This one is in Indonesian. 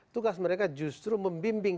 tugas mereka justru membimbing